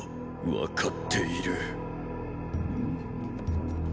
分かっている。